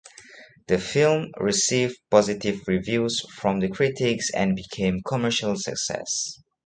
The film received positive reviews from the critics and became commercial success.